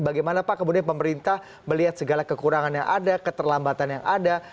bagaimana pak kemudian pemerintah melihat segala kekurangan yang ada keterlambatan yang ada